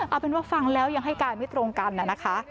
เอาเป็นว่าฟังแล้วยังให้การไม่ตรงกันนะคะ